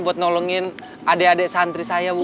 buat nolongin adik adik santri saya bu